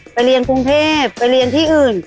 ไปเรียนกรุงเทพไปเรียนที่อื่น